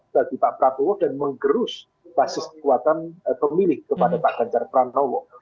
bagi pak prabowo dan menggerus basis kekuatan pemilih kepada pak ganjar pranowo